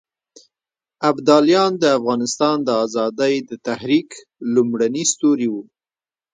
ابداليان د افغانستان د ازادۍ د تحريک لومړني ستوري وو.